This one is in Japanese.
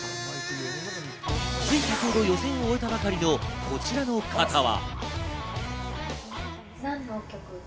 予選を終えたばかりのこちらの方は。